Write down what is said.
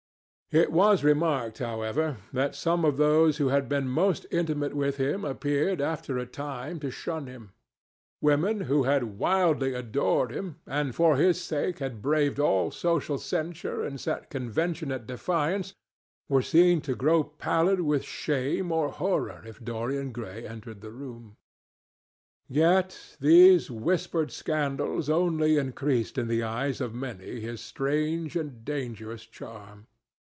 It was remarked, however, that some of those who had been most intimate with him appeared, after a time, to shun him. Women who had wildly adored him, and for his sake had braved all social censure and set convention at defiance, were seen to grow pallid with shame or horror if Dorian Gray entered the room. Yet these whispered scandals only increased in the eyes of many his strange and dangerous charm.